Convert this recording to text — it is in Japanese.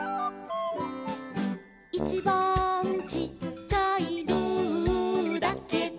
「いちばんちっちゃい」「ルーだけど」